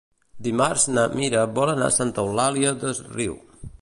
Dimarts na Mira vol anar a Santa Eulària des Riu.